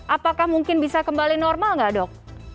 apakah mungkin bisa kembali normal nggak dok